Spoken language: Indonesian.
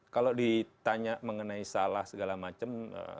kalau ditanya mengenai salah segala macam